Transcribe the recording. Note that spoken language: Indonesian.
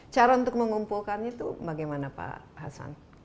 cara untuk mengumpulkannya itu bagaimana pak hasan